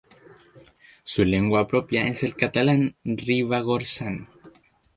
Su lengua propia es el catalán ribagorzano.